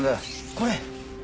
これ！